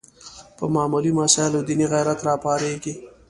په معمولي مسایلو دیني غیرت راپارېږي